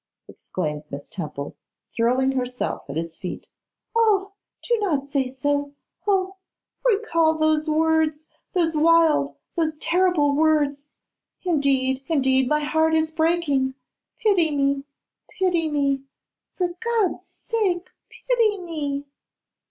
exclaimed Miss Temple, throwing herself at his feet. 'Oh! do not say so; oh! recall those words, those wild, those terrible words. Indeed, indeed, my heart is breaking. Pity me, pity me; for God's sake, pity me.